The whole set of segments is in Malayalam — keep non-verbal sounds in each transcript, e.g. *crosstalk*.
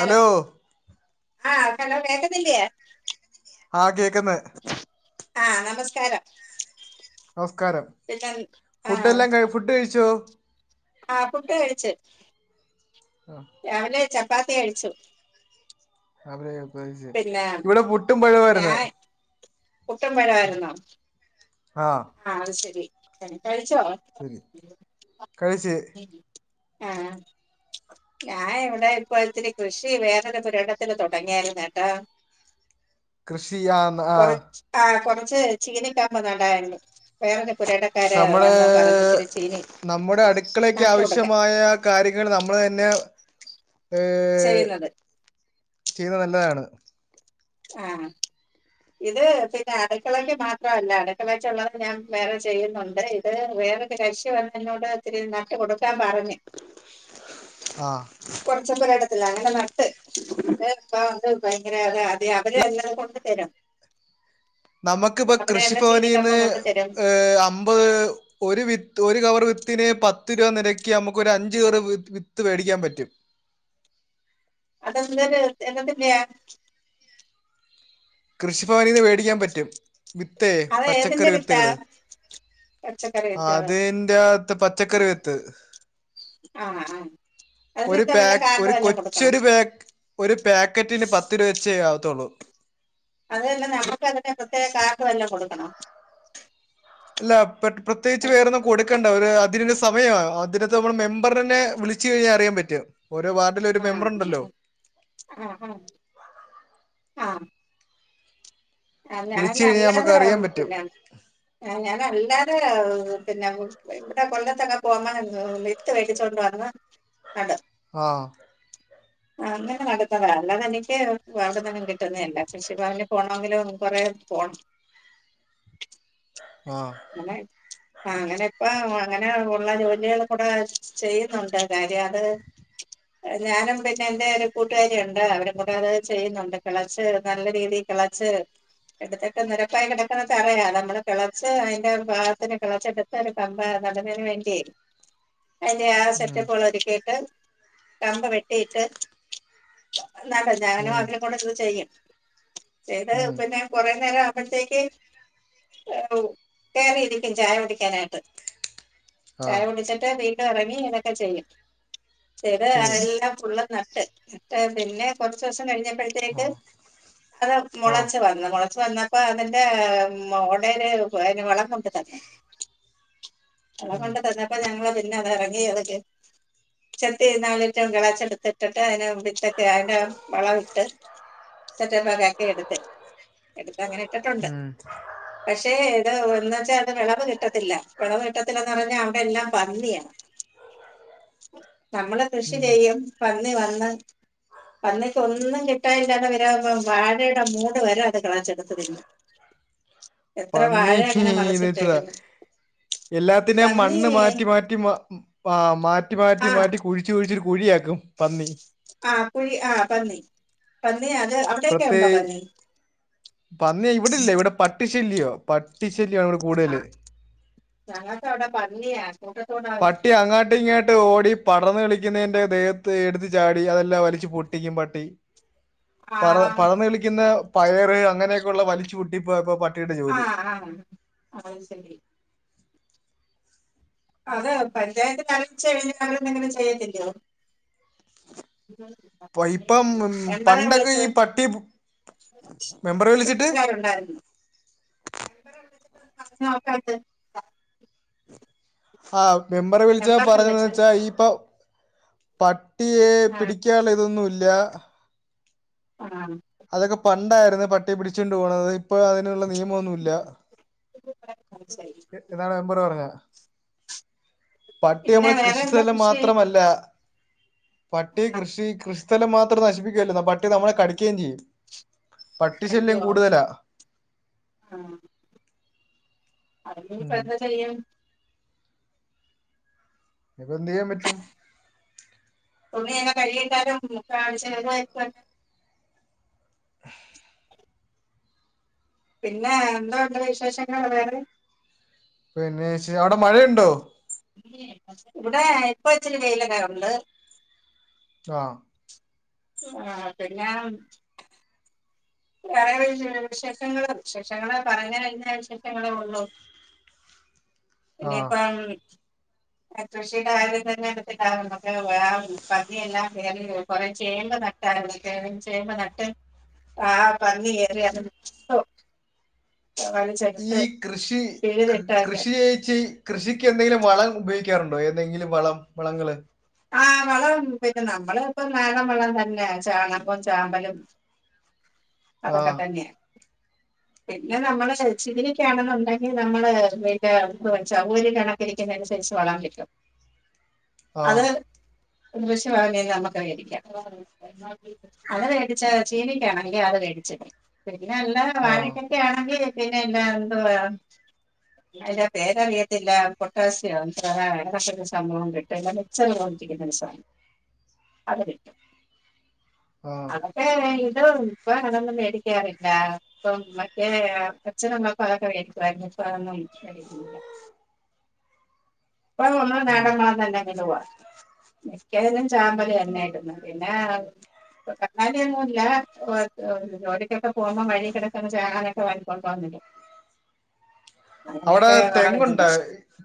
ഹലോ ആഹ് ഹലോ കേക്കത്തില്ല്യേ ആഹ് കേക്കുന്ന് ആഹ് നമസ്കാരം നമസ്കാരം പിന്നെ ആ ഫുഡ് എല്ലാം ക ഫുഡ് കഴിച്ചോ ആഹ് ഫുഡ് കഴിച്ചു *inaudible* രാവിലെ ചപ്പാത്തി കഴിച്ചു പിന്നെ ഇവിടെ പുട്ടും പഴവമായിരുന്നു ഞാൻ പുട്ടും പഴവുമായിരുന്നു ആഹ് ആഹ് അത് ശെരി കഴിച്ചോ ശരി കഴിച്ച് ഉം ഞാൻ ഇവിടെ ഇപ്പോ ഇത്തിരി കൃഷി വേറൊരു പുരിടത്തില് തുടങ്ങിയായിരുന്നു കേട്ടോ *inaudible* കൃഷിയാണ് ആഹ് ആഹ് കുറച്ച് ചീനിക്കമ്പ് നടായിരുന്നു വേറെ പു നമ്മള് നമ്മുടെ അടുക്കളക്ക് നട്ടു കൊടുക്കാൻ ആവശ്യമായ കാര്യങ്ങൾ നമ്മൾ തന്നെ ഏഹ് ചെയ്യുന്നത് ചെയ്യുന്നത് നല്ലതാണ് ആഹ് ഇത് പിന്നെ അടക്കിളക്ക് മാത്രമല്ല അടക്കിളക്ക് ഉള്ളത് ഞാൻ വേറെ ചെയ്യുന്നുണ്ട് വേറൊരു കരിശി വന്നെന്നോട് ഒത്തിരി നട്ട് കൊടുക്കാൻ പറഞ്ഞു ആഹ് കുറച്ച് പോര ഇടത്തില്ല അങ്ങനെ നട്ട് ഇ *unintelligible* പ്പ വ ഭയങ്കര അ ഏയ് അവര് എല്ലാം കൊണ്ട് തരും നമുക്കിപ്പ അവര് തന്നെ കൃഷിഭവനിൽന്ന് ചീനിക്കമ്പം കൊണ്ട് തരും ഏ അമ്പത് ഒരു വിത്ത് ഒരു കവർ വിത്തിന് പത്ത് രൂപ നിരക്ക് നമുക്ക് ഒരു അഞ്ച് കവർ വിത്ത് വേടിക്കാൻ പറ്റും അതെന്തരു എന്നത്തിൻ്റേയ കൃഷിഭവനിൽന്ന് വേടിക്കാൻ പറ്റും വിത്തെ അത് ഏതിന്റെ പച്ചക്കറി വിത്താ വിത്തുകള് പച്ചക്കറി വിത്താണ് അതിന്റത്ത് പച്ചക്കറി വിത്ത് ആഹ് ആഹ് ഒരു പാക് ഒരു കൊച്ചൊരു പാക് ഒരു പാക്കറ്റിന് പത്ത് രൂപ വെച്ചെ ആകത്തുള്ളൂ അതെല്ല നമുക്ക് അതിന് പ്രത്യേക കാർഡ് വല്ലോം കൊടുക്കണോ അല്ല പെട് പ്രത്യേകിച്ച് വേറൊന്നു കൊടുക്കേണ്ടത് അതിന്റെ സമയ അതിനകത്ത് നമ്മള് മെമ്പറിനെ വിളിച്ചു കഴിഞ്ഞാൽ അറിയാൻ പറ്റും ഓരോ വാർഡ ആഹ് ആഹ് ആഹ് ആഹ് ആഹ് വിളിച്ചു ഞാന് കഴിഞ്ഞാൽ നമുക്ക് അല്ലാതെ അറിയാൻ പറ്റും പിന്നെ ആഹ് ഞാന് അല്ലാതെ പിന്നെ ഇവിടെ കൊല്ലത്തൊക്കെ പോവുമ്പ വിത്ത് വേടിച്ചോണ്ട് വന്ന് നടും ആഹ് *inaudible* ആഹ് അങ്ങനെ നടുന്നതാ അല്ലാതെനിക്ക് വാർഡിനൊന്നും കിട്ടുന്നതല്ല കൃഷിഭവനില് പോണെങ്കിലും കൊറേ പോണം ആഹ് *unintelligible* ആ അങ്ങനെപ്പ അങ്ങനെ ഒള്ള ജോലികള് കൂടെ ചെയ്യുന്നുണ്ട് കാര്യം അത് ഞാനും പിന്നെ എൻ്റെ ഒരു കൂട്ടുകാരി ഒണ്ട് അവരും കൂടെ അത് ചെയ്യുന്നൊണ്ട് കെളച്ച് നല്ല രീതി കെളച്ച് എടുത്തിട്ട് നെരപ്പായി കെടക്കുന്ന തറയാ നമ്മള് കെളച്ച് ട്ട് അയ്ന്റെ പാകത്തിന് കെളച്ചെടുത്ത് ഒരു കമ്പ് നടുന്നയ്ന് വേണ്ടിയെ അതിന്റെ ആ ഉം സെറ്റപ്പൊള് ഒരുക്കിയിട്ട് കമ്പ് വെട്ടീട്ട് നല്ല ഞാനും ഉം അവനും കൂടെര്ന്ന് ചെയ്യുംം ചെയ്ത് ഉം പിന്നെ കൊറേനേരം ആമ്പഴത്തേക്ക് ഏഹ് പോവും കേറി ഇരിക്കും ചായ കുടിക്കാനായിട്ട് ആ ചായ കുടിച്ചിട്ട് വീ ട്ടെറങ്ങി ഇതക്കെ ചെയ്യും ചെയ്ത് ചെയ്യും എല്ലാം ഫുള്ളും നന ട്ട് നട്ട് പിന്നെ കൊറച്ചോസം ആ കഴിഞ്ഞപ്പോഴത്തേക്ക് അത് ആ മൊളച്ച് വന്നു മൊളച്ച് വന്നപ്പോ അതിന്റെ മോടെ *unintelligible* ഒരു പോയന് വളം കൊണ്ടു തന്നു വളം ഉം കൊണ്ടു തന്നപ്പോ അപ്പൊ ഞങ്ങള് പിന്നതെറങ്ങീ അതൊക്കെ ചെത്തി നാലറ്റോം കെളച്ചെടുത്തിട്ടിട്ട് അതിനെ വിത്തൊക്കെ അതിന്റെ വളം ഇട്ട് സെറ്റപ്പൊക്കാക്കി എടുത്ത് എടുത്തങ്ങനെ ഇട്ടിട്ടൊണ്ട് ഉം പക്ഷെ എന്ന് വെച്ചാ അത് വെളവ് കിട്ടത്തില്ല വെളവ് കിട്ടത്തില്ലെന്ന് പറഞ്ഞാ അവിടെ എല്ലാം പന്നിയാ നമ്മള് കൃഷി ഉം ചെയ്യും പന്നി വന്ന് പന്നിക്ക് ഒന്നും കിട്ടാൻ ഇല്ലാതെ വരുമ്പോ വാഴേടെ മൂട് വരെ അത് കെളച്ചെടുത്ത് തിന്നും എത്ര ച്ച വാഴ അങ്ങനെ *unintelligible* മറിച്ചിട്ടേക്കുന്നു എല്ലാത്തിൻ്റേം പന്നി മണ്ണ് മാറ്റി മാറ്റി മാറ്റി മാ ആഹ് മാറ്റി മാറ്റി ആഹ് മാറ്റി കുഴിച്ചു കുഴിച്ചൊരു കുഴിയാക്കും പന്നി ആഹ് കുഴി ആഹ് പന്നി പന്നി അത് അവിടെയൊക്കെ പ്രത്യേ ഉണ്ടോ പന്നി പന്നി ഇവിടില്ല ഇവിടെ പട്ടിശല്യാ പട്ടിശല്യാങ്ങട് കൂ ആഹ് ഞങ്ങക്കവിടെ പന്നിയാ കൂട്ടത്തോടാ പട്ടി വരുന്നത് അങ്ങാട്ട് ഇങ്ങാട്ട് ഓടി പടർന്ന് കളിക്കണേൻ്റെ ദേഹത്ത് എടുത്ത് ചാടി അതെല്ലാം വലിച്ച് പൊട്ടിക്കും പട്ടി പറ ആഹ് പടർന്ന് കിളിക്കുന്ന പയറ് അങ്ങനെക്കെ ഒള്ള വലിച്ച് പൊട്ടിപ്പ ഇപ്പൊ പട്ടി ആഹ് ആഹ് ആഹ് ശരി *unintelligible* ചെയ്യത്തില്ലോ ഇപ്പൊ ഇപ്പം ഉം, എന്താണ് പണ്ടൊക്കെ വിളിച്ചേ? ഈ പട്ടി മെമ്പറെ വിളിച്ചിട്ട് വീട്ടുകാരുണ്ടായിരുന്നു *inaudible* ആഹ് മെമ്പറെ വിളിച്ച പറഞ്ഞതെന്താ വെച്ചാ ഇപ്പൊ പട്ടിയെ ആ പിടിക്കാള്ള ഇതൊന്നൂല്ല ആഹ് അതൊക്കെ പണ്ടായിരുന്നു പട്ടി പിടിച്ചുകൊണ്ട് പോണത് ഇപ്പൊ അതിനുള്ള നിയമം ഒന്നുല്ല. *unintelligible* *unintelligible* പട്ടി പിന്നെ മ്മുടെ വേറെ കൃഷി എന്താ സ്ഥലം കൃഷി മാത്രമല്ല പട്ടി ആ, കൃഷി കൃഷിസ്ഥലം മാത്രം നശിപ്പിക്കുകെല്ല എന്ന പട്ടി നമ്മളെ കടിക്കുകയും ചെയ്യും. പട്ടിശല്യം കൂടുതലാ. ആഹ് അത് ഇനി ഇപ്പൊ ഉം എന്ത് ചെയ്യും? ഇപ്പൊ എന്ത്യ്യാൻ പറ്റും? തുണിയൊക്കെ കഴുകി ഇട്ടാലും *unintelligible* *inaudible* പിന്നെ എന്തോ ഉണ്ട് വിശേഷങ്ങൾ വേറെ? പിന്നെ ശ് അവിടെ മഴയുണ്ടോ? ഇവിടെ ഇപ്പ ഇച്ചിരി വെയിലൊക്കെ ഉണ്ട്. ആഹ് ആഹ് പിന്നെ വേറെ വിശേഷങ്ങള് വിശേഷങ്ങള് പറഞ്ഞ് കഴിഞ്ഞാ വിശേഷങ്ങളേ ഉള്ളു. ആ ഇനിപ്പം കൃഷിയുടെ കാര്യം തന്നെ *unintelligible* *unintelligible* പന്നിയെല്ലാം കയറി കൊറെ ചേമ്പ് നട്ടായിരുന്നു ചേമ്പ നട്ട് ആഹ് പന്നി കേറി അത് *unintelligible* ഈ കൃഷി പിഴുതിട്ടൊക്കെ കൃഷി *unintelligible* കൃഷിക്ക് എന്തെങ്കിലും വളം ഉപയോഗിക്കാറുണ്ടോ ഏതെങ്കിലും വളം വളങ്ങള്. ആഹ വളം പിന്നെ നമ്മള് ഇപ്പം നാടൻ വളം തന്നെ ചാണകും ചാമ്പലും. ആ അതൊക്കെ തന്നെയാ. പിന്നെ നമ്മള് *unintelligible* ക്കാണെന്നുണ്ടെങ്കിൽ നമ്മള് പിന്നെ *unintelligible* *unintelligible* അനുസരിച്ച് വളം വെക്കും ആ അത് *unintelligible* അത് മേടിച്ച ചീവിക്കയാണെങ്കിൽ അത് മേടിച്ചിട്ടും പിന്നെ നല്ല ആ വാഴക്ക ക്കെ ആണെങ്കിൽ പിന്നെല്ലാ എന്തു വാ അല്ല തേങ്ങ വീഴത്തില്ല പൊട്ടാസ്യം *unintelligible* *unintelligible* അത് കിട്ടും ആ ഏ ഇതൊ ഇപ്പൊ അങ്ങനെ ഒന്നും മേടിക്കാറില്ല. അപ്പൊ മറ്റേ അച്ഛനൊന്ന് ആ പഴൊക്കെ വേടിക്കുവായിരുന്നു ഇപ്പൊ അതൊന്നും *unintelligible* ഇപ്പൊ ഉം. *unintelligible* മിക്കതിലും ചാമ്പല് തന്നെയാ ഇടുന്നെ പിന്നെ കങ്ങാലിയൊന്നും ഇല്ല *unintelligible* ഒക്കെ പോകുമ്പോ വഴി കിടക്കുന്ന ചേന അങ്ങനത്തെ വാങ്ങി *unintelligible* അവിടെ തെങ്ങുണ്ട്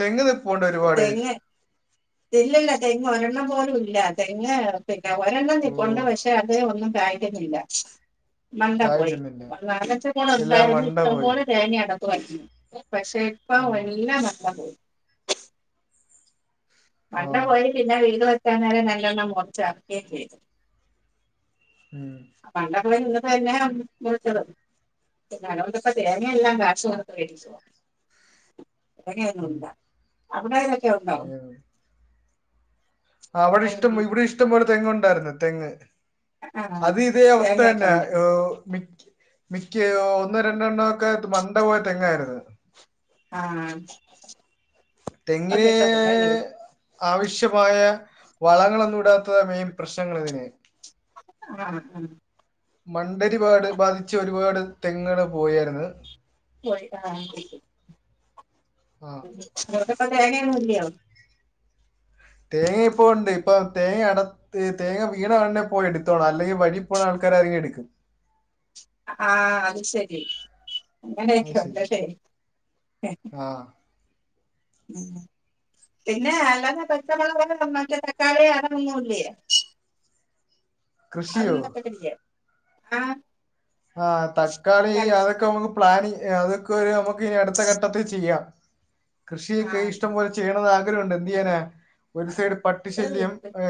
തെങ്ങ് നിപ്പുണ്ട് ഒരുപാട്. ഇല്ലല്ല തെങ്ങ് ഒരെണ്ണം പോലും ഇല്ല തെങ്ങ് പിന്നെ ഒരെണ്ണം ഓ നിപ്പുണ്ട് പക്ഷെ അത് ഒന്നും കായിക്കുന്നില്ല. മണ്ട പോയി കായ്ക്കുന്നില്ല *unintelligible* എല്ലാം ഉണ്ടായിരുന്നു മണ്ട ഇഷ്ടം പോയി പോലെ തേങ്ങയിട പക്ഷെ ഇപ്പം ആ വല്ല *unintelligible* ആ മണ്ട പോയി പിന്നെ വീട് വെക്കാഞാൽ നല്ലോണ്ണം മോർചാകേയും ചെയ്തു. ഉം. പണ്ടൊക്കെ ഇന്ന് തന്നെയാ *unintelligible* പിന്നെ അതോണ്ട് പ്പ തേങ്ങ എല്ലാം കാശ് കൊടുത്ത് ഉം, *unintelligible* *unintelligible* തെങ്ങ് നിന്നു. അവിടെ ഇഷ്ടം ആഹ് ഇവിടെ ഇഷ്ടം പോലെ തെങ്ങ് ഉണ്ടായിരുന്ന തെങ്ങ്. അത് ഇതേ അവസ്ഥ തേങ്ങയൊക്കെ തന്നെയ ഉണ്ട് ഓ മിക്ക മിക്ക ഒന്ന് രണ്ടെണ്ണം ഒക്കെ മണ്ട പോയ തെങ്ങായിരുന്ന്‌ ആഹ തെങ്ങിന് ആവശ്യമായ വളങ്ങളൊന്നും ഇടാത്തമെയിൻ പ്രശ്നങ്ങ ളി തിന് ആഹ ഉ. മണ്ടരിപാട് ബാധിച്ച ഒരുപാട് തെങ്ങള് പോയാരുന്ന് പോയി ആ പൊയ്ക്ണ്അതോണ്ട് ഇപ്പ തേങ്ങ ഒന്നുല്ലിയൊ തേങ്ങ ഇപ്പൊ ഉണ്ട് ഇപ്പൊ തേങ്ങ അട തേങ്ങ വീണ ഉടനെ പോയി എടുത്തോണം അല്ലെങ്കി വഴി പോണ ആൾക്കാര ആരെലും എടുക്കും. ആഹ അത് ശരി അത് അങ്ങനെയൊക്കെ ശരി ഉണ്ട് ലെ. ആ ഉം. പിന്നെ അല്ലാത്ത പച്ചമുളക് മറ്റേ തക്കാളി അതൊന്നുംല്ലേ? കൃഷിയോ അതൊന്നും നട്ടിട്ടില്ലിയെ ആഹ. ആഹ തക്കാളി അതൊക്കെ നമുക്ക് പ്ലാനി അതൊക്കെ ഒരു നമു ക്ക് ഇ അടുത്ത ഘട്ടത്തിൽ ചെയ്യാം കൃഷിയൊക്കെ ആഹ് ഇഷ്ട്ടം പോലെ ചെയ്യണന്ന് ആഗ്രഹുണ്ട് എന്ത് ചെയ്യാനാ. ഒരു സൈഡ് പട്ടി അത് ശല്യം ഏ.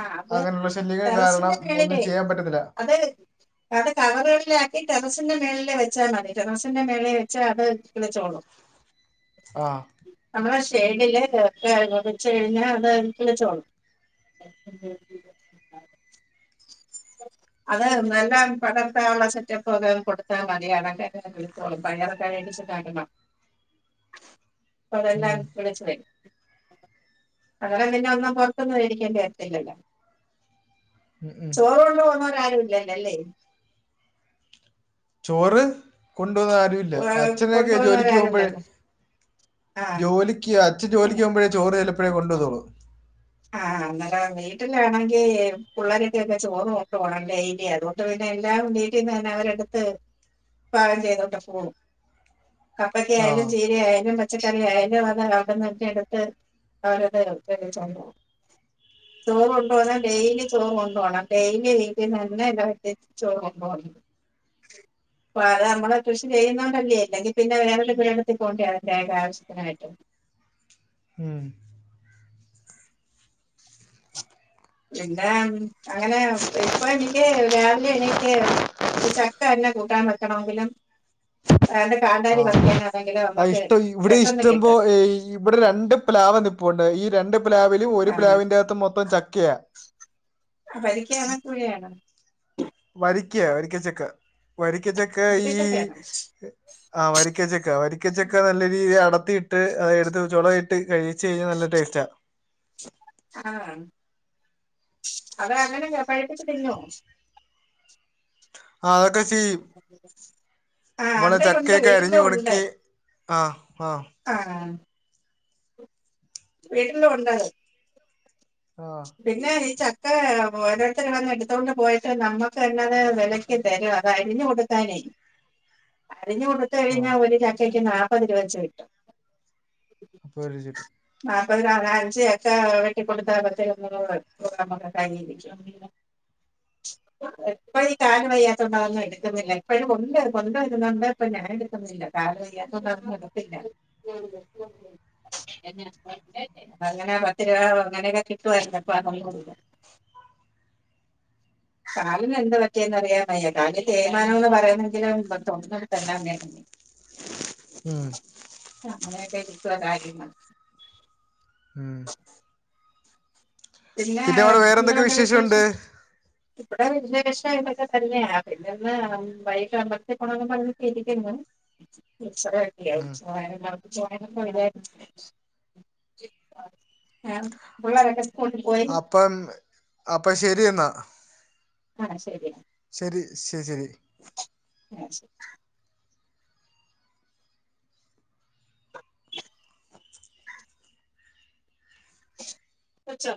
ആഹ് അത് അങ്ങനെയുള്ള ശല്യങ്ങൾ കാരണം ഒന്നും ചെയ്യാൻ പറ്റത്തില്ല. അതെ. അത് കവറുകളിലാക്കി ടെറസിന്റെ മേളി ല് വെച്ചാൽ മതി ടെറസിന്റെ മേലെ വെച്ചാ അത് കി ളിച്ചോളും. ആഹ. നമ്മ ഷേഡിലക്കെ. വെച്ച് കഴിഞ്ഞഅത് എനിക്ക് ചോന്നാ അത് നല്ല പടർത്താ നു ള്ള സെറ്റപ്പ് ഒക്കെ കൊടുത്താൽ മതിഅതൊക്കെ അങ്ങ് കിളിർ. ത്തോളും പയറൊ ക്കെ വേ ടിച്ച് ന ടണം അപ്പൊ അതെല്ലാം ഉം, കിളിച്ചു വരും അപ്പൊ പിന്നെ ഒന്നും പുറത്തൊന്നും മേടി ക്കേണ്ടി വരത്തില്ലല്ല ഉം, ഉം. ചോറ് കൊണ്ട് പോണോരാരും ഇല്ലല്ലല്ലേ? ചോറ് കൊണ്ടുപോവാൻ ആര്. ഇല്ല അച്ഛനക്കെ ജോലിക്ക് കൊണ്ടുപോകുന്നവരാരും പോകുമ്പോഴ് ഇല്ലല്ലോ ആഹ് ജോലി ക്ക് അച്ഛൻ ജോലിക്ക് പോവുമ്പഴേ ചോറ് ചിലപ്പോഴെ കൊണ്ടുവോളൂ. ആഹ് അന്നേരം വീട്ടിലാണെങ്കിൽ പുള്ളേരിക്കൊക്കെ ചോറ് ഓക്കണം ഡെയ്ലി അത് കൊണ്ട് പിന്നെ എല്ലാം വീട്ടിന്ന് തന്നെ അവരെടുത്ത് പാകം ചെയ്തോണ്ട് പോകും കപ്പക്ക ആയാലും ആഹ് ചീരയായാലും മ പച്ചക്കറി ആയാലും അത് അവിടെന്നക്കെ എടുത്ത് *unintelligible* ചോറ് കൊണ്ടപോയാൽ ഡെയിലി ചോറ് കൊണ്ടുപോണം ഡെയിലി വിട്ടീന്ന് തന്നെ ചോറ് കൊണ്ട്പോകണം. അപ്പ അത് നമ്മള് കൃഷി ചെയ്യുന്നോണ്ട് അ ല്ലേ ഇല്ലെങ്കിൽ പിന്നെ വേറൊരു പെരേട ത്തിൽ പോണ്ടേ അതിന്റെതായ ആവശ്യത്തിനായിട്ട്. ഉം. എന്താ അങ്ങനെ ഇപ്പൊ എനിക്ക് രാവിലെ എണീറ്റ് ചക്ക തന്നെ. കൂട്ടാൻ വെക്കണമെങ്കിലും. രണ്ട് കന്താരി ആഹ് പറിക്കാനാണെങ്കിലും നമു ആഹ് ക്ക് ഇഷ്ടം ഇവിടെ പെട്ടന്ന് ഇഷ്ടംപോ കിട്ടും. ഇവിടെ രണ്ട് പ്ലാവ് നിപ്പുണ്ട് ഈ രണ്ട് പ്ലാവിലും ഒരു ആഹ് പ്ലാവിന്റെ അകത്ത് മൊത്തം ചക്കയ ആ അത് വരിക്കയാണ കൂഴയാണ വരിക്കയ വരിക്കച്ചക്ക വരിക്കച്ചക്ക ഈ. വരിക്കച്ചക്കയാണോ ആഹ് വരിക്കച്ചക്ക വരിക്കച്ചക്ക നല്ല രീതി അടത്തിയിട്ട് അത എടുത്ത് ചുള ഇട്ട് കഴിച്ച് കഴിഞ്ഞാൽ നല്ല ടേസ്റ്റ ആാ ആഹ അത് അങ്ങനെ പഴപ്പിച്ചു തിന്നോ? ആ അതൊക്കെചിയും. ഉ. നമ്മള്ചക്കയൊക്കെ അരിഞ്ഞു കൊടുക്കയും ആആ ആഹ വീട്ടിലും ഉ ണ്ടത് ആഹ. പിന്നെ ഈ ചക്ക ഓരോരുത്തർ വന്ന് എടുത്തോണ്ട് പോയിട്ട് നമ്മുക്ക് തന്നത് വില തരും അത് അരിഞ്ഞു കൊടുക്കാനേ അരിഞ്ഞു കൊടു ആഹ് കഴിഞ്ഞാൽ ഒരു ചക്കയ്ക്ക് നാൽപ്പത് രൂപച്ച കിട്ടും. *unintelligible* നാല്പ്പതിന നാല അഞ്ച് ചക്ക വെട്ടിക്കൊടുത്ത ഒക്കെ കരിക്ക എപ്പഴും ഈ കാല് വയ്യാത്തുണ്ടൊന്നും എടുക്കുന്നില്ല. എപ്പഴും കൊണ്ട് കൊണ്ട് വരുന്നുണ്ട്. അപ്പൊ ഞാൻ എടുക്കുന്നില്ല. കാലു വയ്യാത്തോണ്ടാന്നും എടുത്തില്ല. അങ്ങനെ പത്ത് രൂപ അങ്ങനെയൊക്കെ കിട്ടുവായിരുന്നു അപ്പൊ അതും കാലിനു എന്താ പറ്റിയെന്ന് അറിയാൻ വയ്യ കാലിൽ തേമാനം ന്ന് പറയുന്നെങ്കിലും തൊടുന്നടുത്തെല്ലാം വേദ ഉം അങ്ങനെയൊക്കെ ഇരിക്കുക കാര്യങ്ങളു ഉം പിന്നെ അവിടെ വേറെന്തൊക്കെ പിന്നെന്താ വിശേഷമുണ്ട് വിശേഷം? ഇവിടെ വല്യവിശേഷം ഇതൊക്കെ തന്നെയ പിന്നെന്ന് വൈകിട്ട് അമ്പലത്തിൽ പോകണംന്ന് ഇരിക്കുന്നു *unintelligible* ഉത്സവായ ഉം ആഹ് പിള്ളേരൊക്കെ സ്കൂളിൽ പോയി അപ്പം അപ്പ ശരി എന്നാ. ആഹ് ശരി ശരി ശരി ശരി ഉം ശരി കഴിച്ചാ?